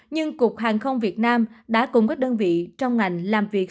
nhưng cục hàng không việt nam đã cùng các đơn vị trong ngành làm việc